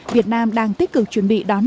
việt nam đang tích cực chuẩn bị đón tổng thống